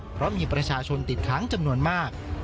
เพราะมีประชาชนติดค้างจำนวนมาก